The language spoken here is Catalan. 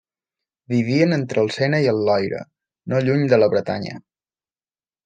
Vivien entre el Sena i el Loira, no lluny de Bretanya.